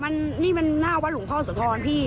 นี่มันน่าว่าหลวงพ่อโสธรพี่